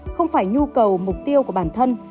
không phải nhu cầu mục tiêu của bản thân